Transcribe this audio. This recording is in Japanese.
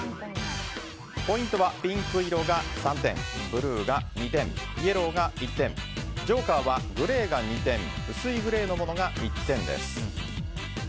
ポイントは、ピンク色が３点ブルーが２点、イエローが１点ジョーカーはグレーが２点薄いグレーのものが１点です。